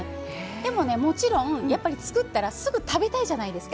もちろん作ったらすぐ食べたいじゃないですか。